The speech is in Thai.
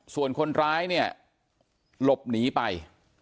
ส่วนคนร้ายเนี่ยหลบหนีไป